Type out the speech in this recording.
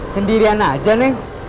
sendirian aja nih